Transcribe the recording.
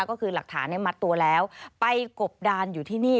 ก็คือหลักฐานมัดตัวแล้วไปกบดานอยู่ที่นี่